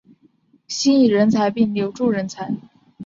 吸引人才并留住人才